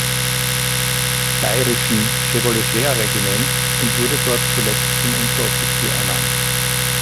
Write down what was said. Bayerischen Chevauleger-Regiment und wurde dort zuletzt zum Unteroffizier ernannt.